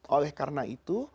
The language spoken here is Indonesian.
oleh karena itu